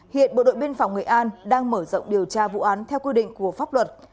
hiện bộ đội biên phòng nghệ an đang mở rộng điều tra vụ án theo quy định của pháp luật